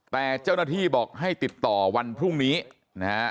แต่เจ้าหน้าที่บอกให้ติดต่อวันพรุ่งนี้นะฮะ